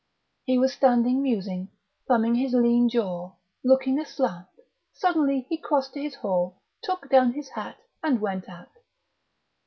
He was standing musing, thumbing his lean jaw, looking aslant; suddenly he crossed to his hall, took down his hat, and went out.